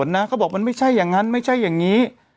นี่ใช่อย่างงั้นไม่ใช่อย่างนี้